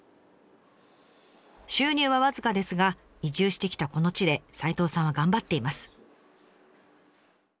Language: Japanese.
収入は僅かですが移住してきたこの地で齋藤さんは頑張っています。